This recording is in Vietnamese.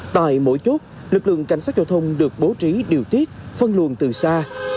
tại mỗi chốt lực lượng cảnh sát trò thông được bố trí điều tiết phân luồng từ xa